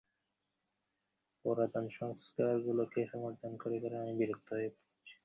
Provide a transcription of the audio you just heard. পুরাতন সংস্কারগুলোকে সমর্থন করে করে আমি বিরক্ত হয়ে পড়েছি।